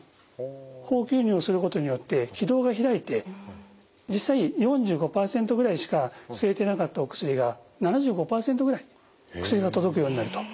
ホー吸入をすることによって気道が開いて実際４５％ぐらいしか吸えてなかったお薬が７５％ぐらい薬が届くようになると。